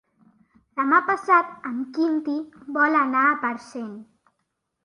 Demà passat en Quintí vol anar a Parcent.